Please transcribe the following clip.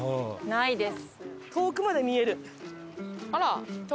ないです。